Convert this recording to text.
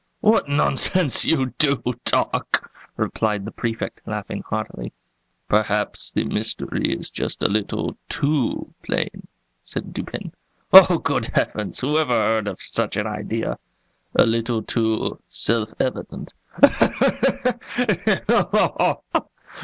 "What nonsense you do talk!" replied the Prefect, laughing heartily. "Perhaps the mystery is a little too plain," said Dupin. "Oh, good heavens! who ever heard of such an idea?" "A little too self evident."